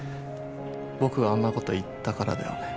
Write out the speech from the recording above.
僕があんなこと言ったからだよね